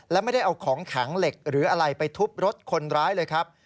และไม่ได้เอาของแข็งเหล็กหรืออะไรไปทุบรถคนร้ายเลยครับ